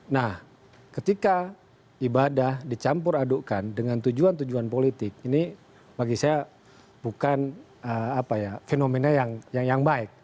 nah ketika ibadah dicampur adukkan dengan tujuan tujuan politik ini bagi saya bukan fenomena yang baik